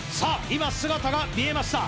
今姿が見えました